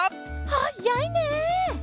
はっやいね！